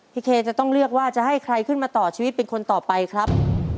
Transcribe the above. เคจะต้องเลือกว่าจะให้ใครขึ้นมาต่อชีวิตเป็นคนต่อไปครับ